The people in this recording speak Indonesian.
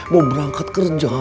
mau berangkat kerja